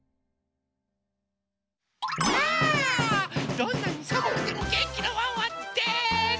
どんなにさむくてもげんきなワンワンです！